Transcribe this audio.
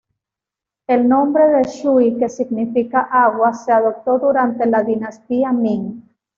El nombre de shui, que significa "agua", se adoptó durante la dinastía Ming.